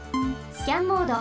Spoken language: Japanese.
スキャンモード。